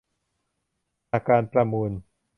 สหการประมูล